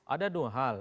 ada dua hal